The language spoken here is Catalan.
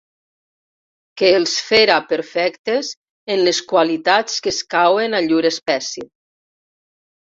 Que els féra perfectes en les qualitats que escauen a llur espècie.